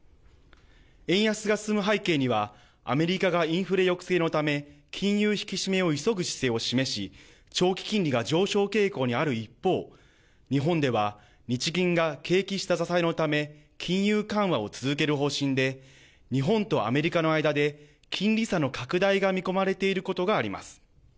円安が進む背景にはアメリカがインフレ抑制のため金融引き締めを急ぐ姿勢を示し長期金利が上昇傾向にある一方、日本では日銀が景気下支えのため金融緩和を続ける方針で日本とアメリカの間で金利差の拡大が見込まれていることがあります。